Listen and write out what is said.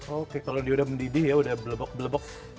oke kalau dia udah mendidih ya udah belebuk belebuk